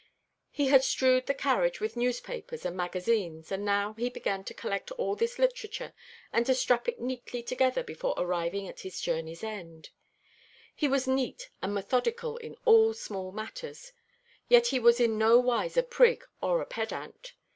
He had strewed the carriage with newspapers and magazines, and now he began to collect all this literature and to strap it neatly together before arriving at his journey's end. He was neat and methodical in all small matters, yet he was in nowise a prig or a pedant.